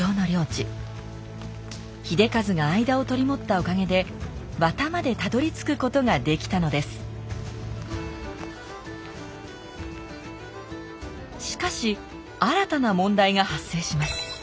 秀一が間を取り持ったおかげで和田までたどりつくことができたのですしかし新たな問題が発生します。